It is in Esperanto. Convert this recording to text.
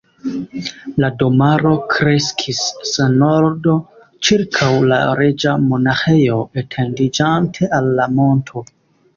La domaro kreskis sen ordo ĉirkaŭ la Reĝa Monaĥejo, etendiĝante al la monto.